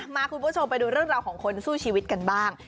คุณผู้ชมไปดูเรื่องราวของคนสู้ชีวิตกันบ้าง